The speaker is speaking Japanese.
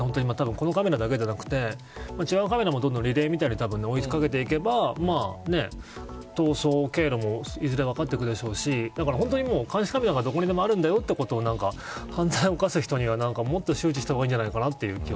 このカメラだけでなくて違うカメラもリレーみたいに追い掛けていけば逃走経路もいずれ分かっていくでしょうし本当に監視カメラがどこにでもあるんだよということを犯罪を犯す人には、もっと周知した方がいいんじゃないかな